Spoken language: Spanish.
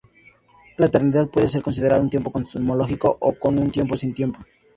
La "eternidad" puede ser considerada un tiempo cosmológico o un tiempo sin tiempo.